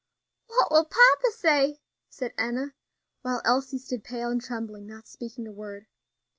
"What will papa say?" said Enna; while Elsie stood pale and trembling, not speaking a word.